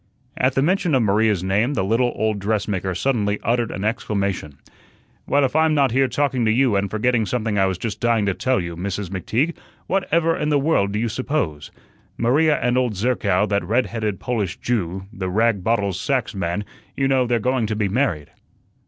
At the mention of Maria's name the little old dressmaker suddenly uttered an exclamation. "Well, if I'm not here talking to you and forgetting something I was just dying to tell you. Mrs. McTeague, what ever in the world do you suppose? Maria and old Zerkow, that red headed Polish Jew, the rag bottles sacks man, you know, they're going to be married."